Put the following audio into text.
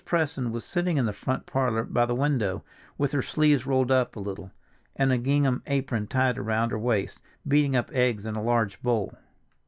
Preston was sitting in the front parlor by the window, with her sleeves rolled up a little, and a gingham apron tied around her waist, beating up eggs in a large bowl.